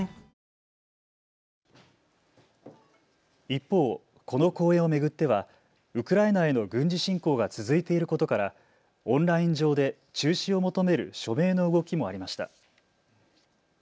一方、この公演を巡ってはウクライナへの軍事侵攻が続いていることからオンライン上で中止を求める署名の動きもありました。